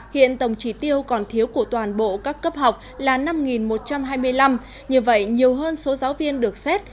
hiện tổng trí tiêu còn thiếu của toàn bộ các cấp học là năm một trăm hai mươi năm như vậy nhiều hơn số giáo viên được xét